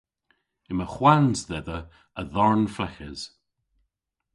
Yma hwans dhedha a dharn fleghes.